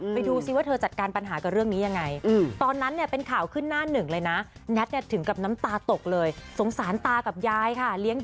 ไปดูซิว่าเธอจัดการปัญหากับเรื่องนี้ยังไง